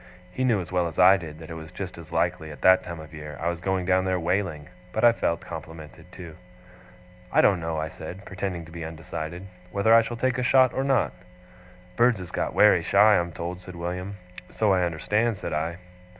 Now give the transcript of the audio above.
He knew as well as I did that it was just as likely, at that time of year, I was going down there whaling; but I felt complimented, too. 'I don't know,' I said, pretending to be undecided, 'whether I shall take a shot or not.' 'Birds is got wery shy, I'm told,' said William. 'So I understand,' said I.